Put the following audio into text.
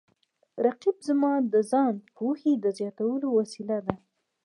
رقیب زما د ځان پوهې د زیاتولو وسیله ده